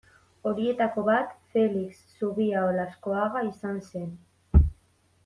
Horietako bat Felix Zubia Olaskoaga izan zen.